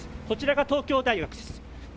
こちらが東京大学です。